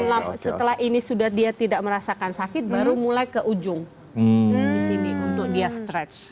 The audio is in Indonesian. dan setelah ini sudah dia tidak merasakan sakit baru mulai ke ujung disini untuk dia stretch